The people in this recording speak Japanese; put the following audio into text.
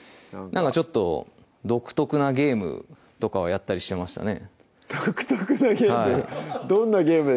ちょっと独特なゲームとかはやったりしてましたね独特なゲーム？